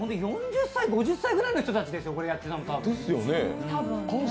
４０歳、５０歳くらいの人たちですよ、これやってたの。